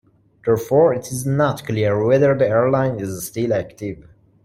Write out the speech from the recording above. Therefore, it is not clear whether the airline is still active.